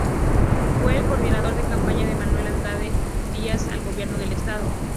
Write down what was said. Fue el coordinador de campaña de Manuel Andrade Díaz al gobierno del estado.